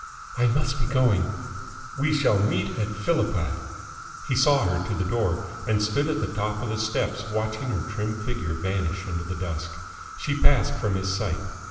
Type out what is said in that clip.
"I must be going." "We shall meet at Philippi." He saw her to the door, and stood at the top of the steps watching her trim figure vanish into the dusk. She passed from his sight.